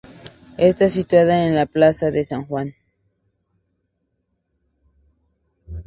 Está situada en la plaza de San Juan.